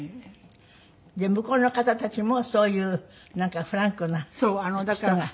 向こうの方たちもそういうなんかフランクな人が。